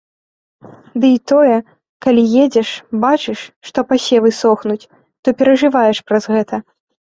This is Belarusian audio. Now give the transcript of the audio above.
Ды і тое, калі едзеш, бачыш, што пасевы сохнуць, то перажываеш праз гэта.